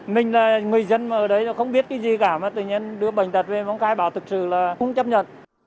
mình là người dân mà ở đấy không biết cái gì cả mà tự nhiên đưa bệnh tật về phong khai báo thực sự là không chấp nhận